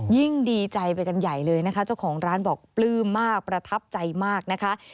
ยิ่งดีใจไปกันใหญ่เลยนะคะเจ้าของร้านบอกปลื้มมากประทับใจมากนะคะ